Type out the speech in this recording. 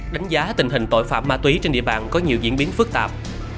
đánh giá tình hình tội phạm ma túy trên địa bàn có nhiều diễn biến phức tạp